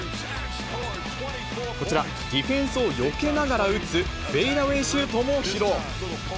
こちら、ディフェンスをよけながら打つシュートも披露。